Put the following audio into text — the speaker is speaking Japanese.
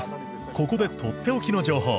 ここでとっておきの情報。